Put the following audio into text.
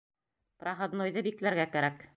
Проходнойҙы бикләргә кәрәк.